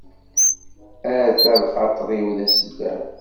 Ata lxaṭer-iw d asellaw.